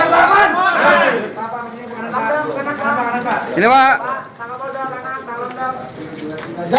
terima kasih mas rakyat